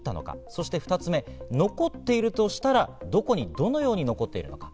そして２つ目、残っているとしたら、どこにどのように残っているのか。